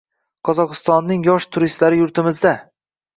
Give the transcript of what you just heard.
Qozog‘istonning yosh turistlari yurtimizda